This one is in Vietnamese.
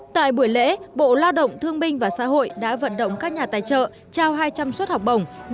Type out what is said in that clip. tại buổi lễ bộ lao động thương binh và xã hội đã vận động các nhà tài trợ trao hai trăm linh suất học bổng